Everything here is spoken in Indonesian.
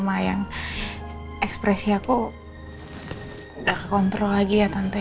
mayang ekspresi aku gak kekontrol lagi ya tante